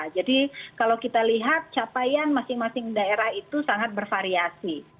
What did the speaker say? jadi kalau kita lihat capaian masing masing daerah itu sangat bervariasi